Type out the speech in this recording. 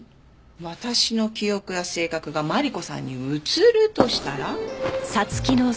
私の記憶や性格がマリコさんに移るとしたら。